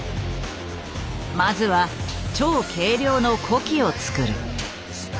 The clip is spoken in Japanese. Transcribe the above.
まずは超軽量の子機を作る。